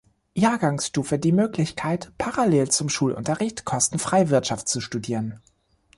Jahrgangsstufe die Möglichkeit, parallel zum Schulunterricht kostenfrei Wirtschaft zu studieren.